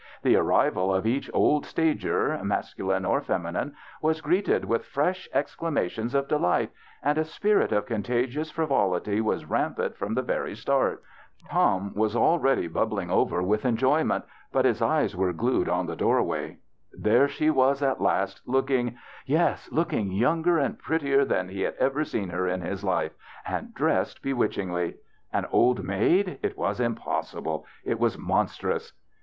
The arrival of each old stager, masculine or feminine, was greeted with fresh exclamations of delight, and a spirit of contagious frivolity was ram pant from the very start. UJ ca O > UJ 3: o < UJ O a a o U a O u THE BACHELOR'S CHRISTMAS 45 Tom was already bubbling over with en joyment, but his eyes were glued on the doorway. There she was at last, looking — yes, looking younger and prettier than he had ever seen her in his life, and dressed be witchingly. An old maid ! It was impossi ble. It was monstrous.